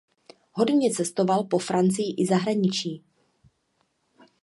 Hodně cestoval po Francii i zahraničí.